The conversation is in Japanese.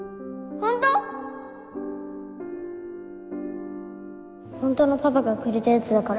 本当のパパがくれたやつだから。